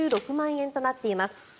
円となっています。